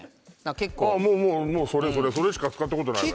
結構ああもうもうもうそれそれそれしか使ったことないわよ